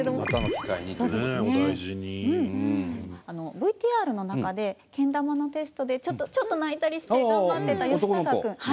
ＶＴＲの中でけん玉のテストでちょっと泣いたりして頑張ってた吉孝君。